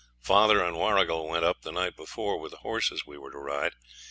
Father and Warrigal went up the night before with the horses we were to ride.